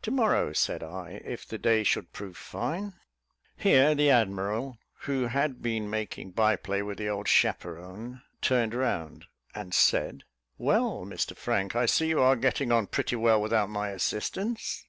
"To morrow," said I, "if the day should prove fine." Here the admiral, who had been making by play with the old chaperon, turned round, and said: "Well, Mr Frank, I see you are getting on pretty well without my assistance."